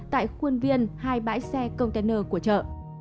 tại khuôn viên hai bãi xe container của chợ